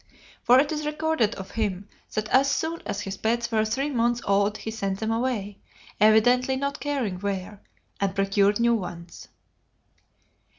For it is recorded of him that as soon as his pets were three months old he sent them away, evidently not caring where, and procured new ones.